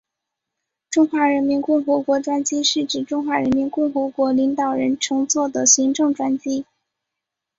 中华人民共和国专机是指中华人民共和国领导人乘坐的行政专机。